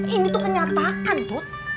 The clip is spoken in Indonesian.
ini tuh kenyataan tut